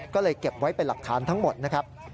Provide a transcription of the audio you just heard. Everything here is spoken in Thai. ก็เลยเก็บไว้เป็นหลักฐานทั้งหมดนะครับ